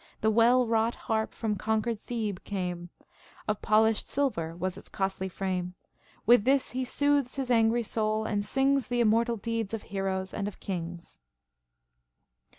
The well wrought harp from conquered Thehe came; Of polished silver was its costly frame. With this he soothes his angry soul, and sings The immortal deeds of heroes and of kings.